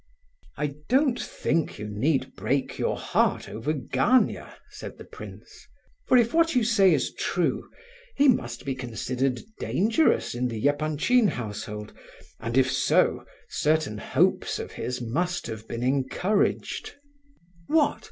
"I don't think you need break your heart over Gania," said the prince; "for if what you say is true, he must be considered dangerous in the Epanchin household, and if so, certain hopes of his must have been encouraged." "What?